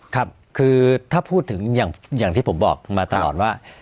ครับคือถ้าพูดถึงอย่างที่ผมบอกมาตลอดว่า